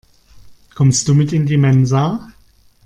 Kommst du mit in die Mensa?